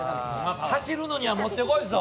走るのにはもってこいです。